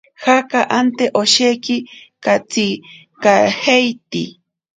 Jaka ante osheki katsinkajeiti.